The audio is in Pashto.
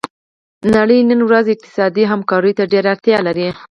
نړۍ نن ورځ اقتصادي همکاریو ته ډیره اړتیا لري